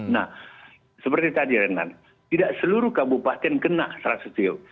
nah seperti tadi renan tidak seluruh kabupaten kena secara setio